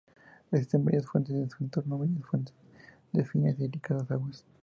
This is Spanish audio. Existen varias fuentes en su entorno ""varias fuentes de finas y delicadas aguas"".